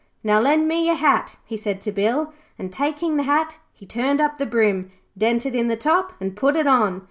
'Now, lend me your hat,' he said to Bill, and taking the hat he turned up the brim, dented in the top, and put it on.